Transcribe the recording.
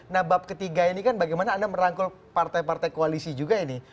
nah bab ketiga ini kan bagaimana anda merangkul partai partai koalisi juga ini